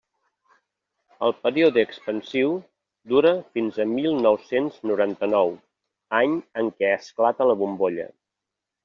El període expansiu dura fins a mil nou-cents noranta-nou, any en què esclata la bombolla.